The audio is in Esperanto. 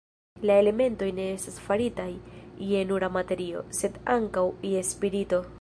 La elementoj ne estas faritaj je nura materio, sed ankaŭ je spirito.